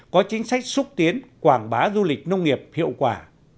có chính sách xúc tiến quảng bá du lịch nông nghiệp hiệu quả